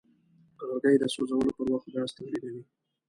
لرګی د سوځولو پر وخت ګاز تولیدوي.